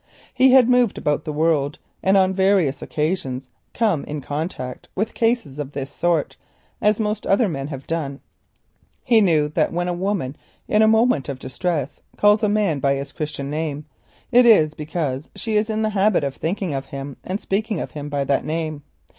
He had moved about the world and on various occasions come in contact with cases of this sort, as most other men have done. He knew that when a woman, in a moment of distress, calls a man by his Christian name it is because she is in the habit of thinking of him and speaking to him by that name.